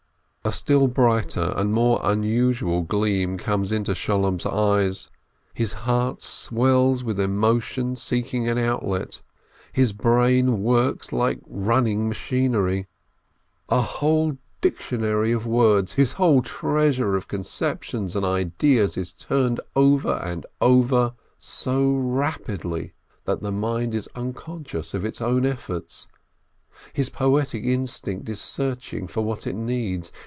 A still brighter and more unusual gleam comes into Sholem's eyes, his heart swells with emotion seeking an outlet, his brain works like running machinery, a 440 NAUMBERG whole dictionary of words, his whole treasure of con ceptions and ideas, is turned over and over so rapidly that the mind is unconscious of its own efforts. His poetic instinct is searching for what it needs.